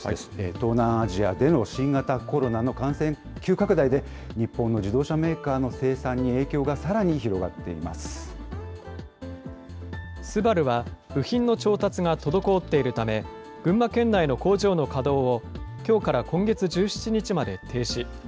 東南アジアでの新型コロナの感染急拡大で、日本の自動車メーカーの生産に影響がさらに広がっていＳＵＢＡＲＵは、部品の調達が滞っているため、群馬県内の工場の稼働を、きょうから今月１７日まで停止。